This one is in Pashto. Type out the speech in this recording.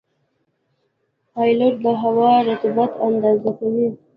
پیلوټ د هوا د رطوبت اندازه کوي.